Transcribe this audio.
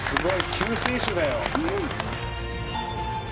救世主だよ。